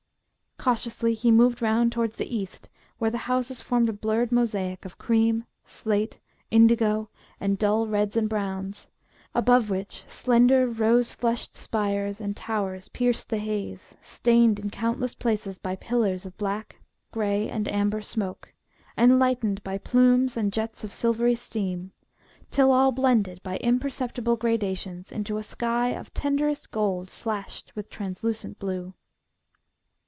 Cautiously he moved round towards the east, where the houses formed a blurred mosaic of cream, slate, indigo, and dull reds and browns, above which slender rose flushed spires and towers pierced the haze, stained in countless places by pillars of black, grey, and amber smoke, and lightened by plumes and jets of silvery steam, till all blended by imperceptible gradations into a sky of tenderest gold slashed with translucent blue.